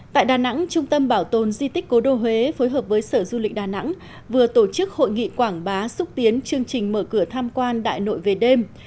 tại đà nẵng trung tâm bảo tồn di tích cố đô huế phối hợp với sở du lịch đà nẵng vừa tổ chức hội nghị quảng bá xúc tiến chương trình mở cửa tham quan đại nội về đêm